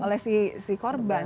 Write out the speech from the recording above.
oleh si korban